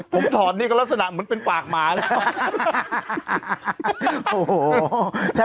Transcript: ผมถอดนี่ก็ลักษณะเหมือนเป็นปากหมาแล้ว